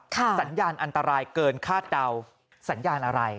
สัญญาณอันตรายเกินคาดเดาสัญญาณอะไร